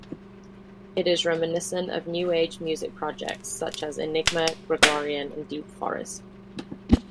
It is reminiscent of new-age music projects such as Enigma, Gregorian, and Deep Forest.